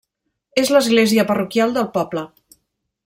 És l'església parroquial del poble.